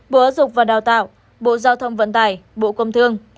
bộ giáo dục và đào tạo bộ giao thông vận tải bộ công thương